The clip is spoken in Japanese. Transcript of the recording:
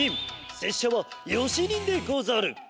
せっしゃはよし忍でござる！